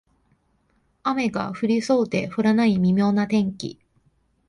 雨が降りそうで降らない微妙な天気